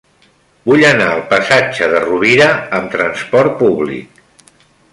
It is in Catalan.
Vull anar al passatge de Rovira amb trasport públic.